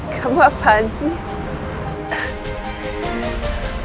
kamu apaan sih